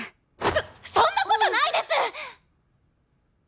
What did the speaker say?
そそんなことないです！